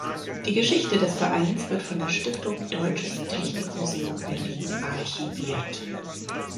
Die Geschichte des Vereins wird von der Stiftung Deutsches Technikmuseum Berlin archiviert.